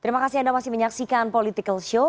terima kasih anda masih menyaksikan political show